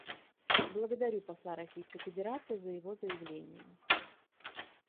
Благодарю посла Российской Федерации за его заявление.